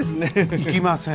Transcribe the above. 行きません。